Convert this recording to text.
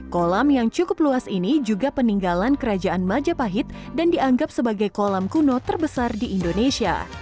kolam yang cukup luas ini juga peninggalan kerajaan majapahit dan dianggap sebagai kolam kuno terbesar di indonesia